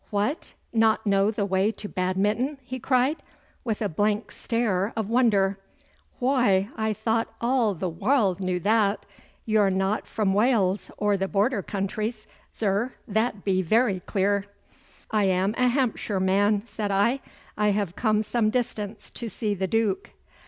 'What! Not know the way to Badminton!' he cried, with a blank stare of wonder. 'Whoy, I thought all the warld knew that. You're not fra Wales or the border counties, zur, that be very clear.' 'I am a Hampshire man,' said I. 'I have come some distance to see the Duke.